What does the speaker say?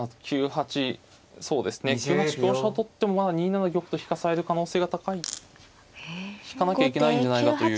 ９八香車を取ってもまあ２七玉と引かされる可能性が高い。引かなきゃいけないんじゃないかという。